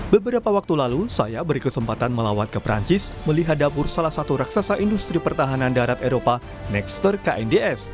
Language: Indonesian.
beberapa waktu lalu saya berkesempatan melawat ke perancis melihat dapur salah satu raksasa industri pertahanan darat eropa nextr knds